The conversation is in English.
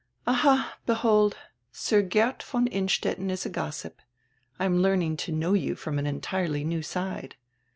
"Alia, behold! Sir Geert von Innstetten is a gossip. I am learning to know you from an entirely new side."